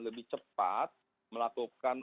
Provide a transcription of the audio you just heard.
lebih cepat melakukan